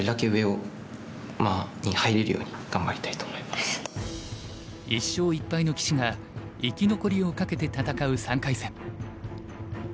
グロービス杯は１勝１敗の棋士が生き残りをかけて戦う３回戦。